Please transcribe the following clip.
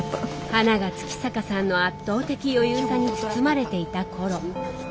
花が月坂さんの圧倒的余裕さに包まれていた頃。